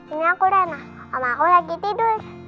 ini aku rena om aku lagi tidur